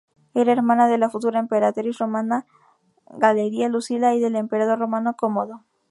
Era hermana de la futura emperatriz romana Galeria Lucila y del emperador romano Cómodo.